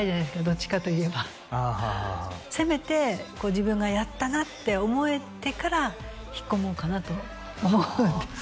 どっちかといえばせめて自分が「やったな」って思えてから引っ込もうかなと思うんです